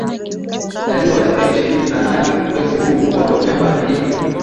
ndaliwa tarehe ishirini na nane mwezi huu wa novemba na hivyo